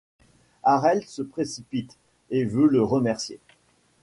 Harel se précipite, et veut le remercier.